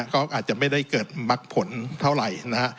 ก็อาจจะไม่ได้เกิดมักผลเท่าไหร่นะฮะ